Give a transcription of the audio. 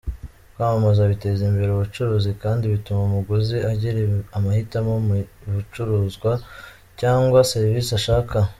Kwamamaza biteza imbere ubucuruzi kandi bituma umuguzi agira amahitamo mu bicuruzwa cyangwa serivisi ashaka.